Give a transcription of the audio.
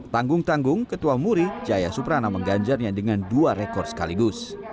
tanggung tanggung ketua muri jaya suprana mengganjarnya dengan dua rekor sekaligus